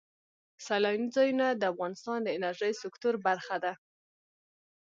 سیلاني ځایونه د افغانستان د انرژۍ سکتور برخه ده.